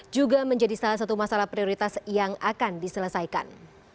juga menjadi salah satu masalah prioritas yang akan diselesaikan